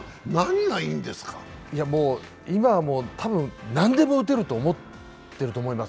今はもう、たぶん何でも打てると思っていると思います。